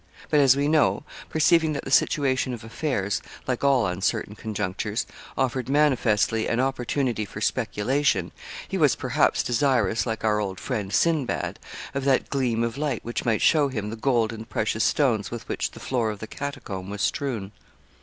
But as we know, perceiving that the situation of affairs, like all uncertain conjunctures, offered manifestly an opportunity for speculation, he was, perhaps, desirous, like our old friend, Sindbad, of that gleam of light which might show him the gold and precious stones with which the floor of the catacomb was strewn.